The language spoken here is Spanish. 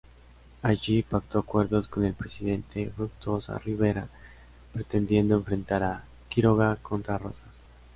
Allí pactó acuerdos con el presidente Fructuoso Rivera, pretendiendo enfrentar a Quiroga contra Rosas.